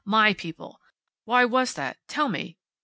My people. Why was that? Tell me.